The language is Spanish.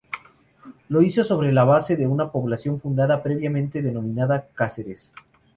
Lo hizo sobre la base de una población fundada previamente, denominada Cáceres.